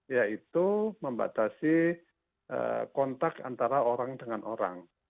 yaitu membatasi kontak antara orang dengan orang